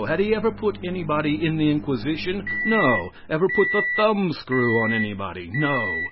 Had he ever put anybody in the inquisition? No. Ever put the thumb screw on anybody? No.